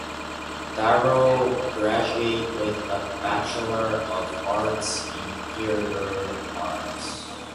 Darrow graduated with a Bachelor of Arts in theater arts.